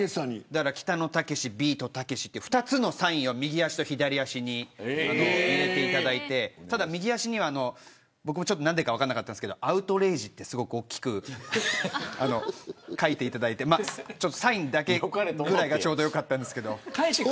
北野武、ビートたけしという２つのサインを右足と左足に入れていただいてただ、右足には僕も何でか分かりませんがアウトレイジと、すごく大きく書いていただいてサインだけぐらいがちょうど良かったんですけど。